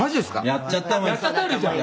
「やっちゃったよ竜ちゃん」